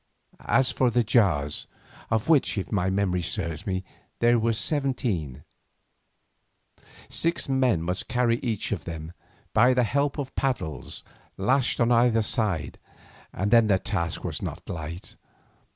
As for the jars, of which, if my memory serves me, there were seventeen, six men must carry each of them by the help of paddles lashed on either side, and then the task was not light.